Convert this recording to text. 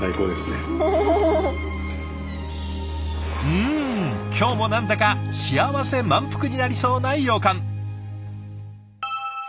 うん今日も何だか幸せ満腹になりそうな予感。